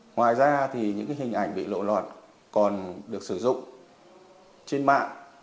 ngoài ra thì những hình ảnh bị lộ lọt còn được sử dụng trên mạng